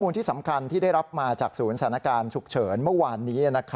ที่สำคัญที่ได้รับมาจากศูนย์สถานการณ์ฉุกเฉินเมื่อวานนี้